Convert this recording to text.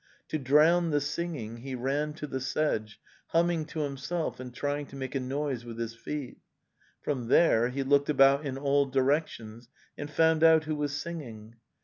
. To drown the singing he ran to the sedge, humming to himself and trying to make a noise with his feet. From there he looked about in all directions and found out who was singing.